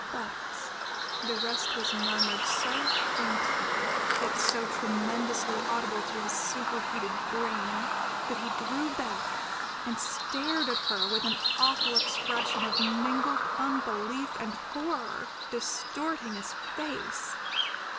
"But " The rest was murmured so faintly, yet so tremendously audible to his superheated brain, that he drew back and stared up at her with an awful expression of mingled unbelief and horror distorting his face.